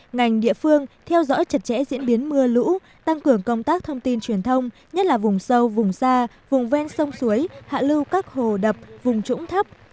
ngành địa phương theo dõi chặt chẽ diễn biến mưa lũ tăng cường công tác thông tin truyền thông nhất là vùng sâu vùng xa vùng ven sông suối hạ lưu các hồ đập vùng trũng thấp